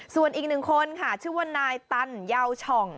ส่วนอีกหนึ่งคนค่ะชื่อว่านายตันเยาวช่อง